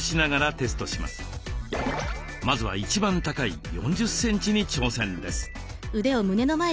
まずは一番高い４０センチに挑戦です。